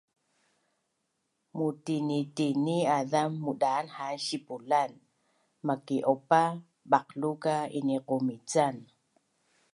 mutinitini azam mudaan haan sipulan maki’upa baqlu ka iniqumican